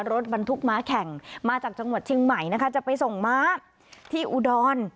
รถบรรทุกม้าแข่งมาจากจังหวัดเชียงใหม่นะคะจะไปส่งม้าที่อุดร